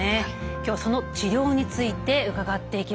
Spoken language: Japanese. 今日はその治療について伺っていきます。